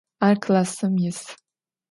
Ar klassım yis.